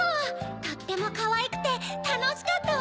とってもかわいくてたのしかったわ！